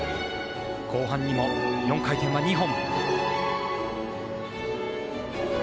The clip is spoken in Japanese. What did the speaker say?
後半にも４回転は２本。